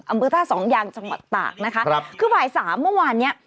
อำเภอท่าสองยางจังหวัดตากนะคะครับคือบ่ายสามเมื่อวานเนี้ย